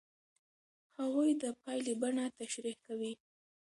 هغوی د پایلې بڼه تشریح کوي.